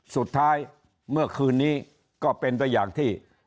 สุดท้ายเมื่อคืนนี้ก็เป็นไปอย่างที่